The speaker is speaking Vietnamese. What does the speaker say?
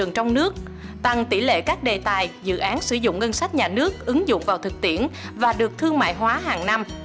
ngân sách nhà nước ứng dụng vào thực tiễn và được thương mại hóa hàng năm